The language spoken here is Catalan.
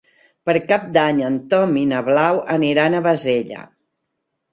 Per Cap d'Any en Tom i na Blau aniran a Bassella.